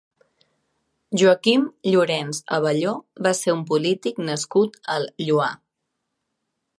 Joaquim Llorens Abelló va ser un polític nascut al Lloar.